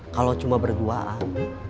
kalau cuma berduaan